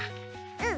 うん。